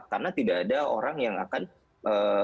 karena tidak ada orang yang akan ee